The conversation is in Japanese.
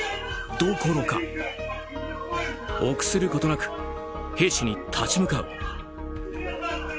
どころか臆することなく兵士に立ち向かう。